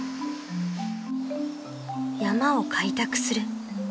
［山を開拓する］